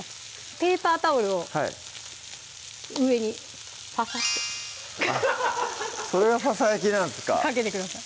ペーパータオルを上にファサッてそれがファサ焼きなんですかかけてください